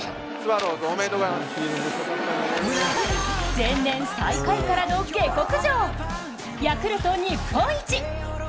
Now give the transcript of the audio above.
前年、最下位からの下克上ヤクルト日本一！